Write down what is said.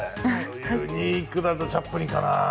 ユニークだとチャップリンかな。